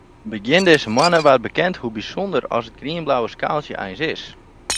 Begjin dizze moanne waard bekend hoe bysûnder as it grienblauwe skaaltsje eins is.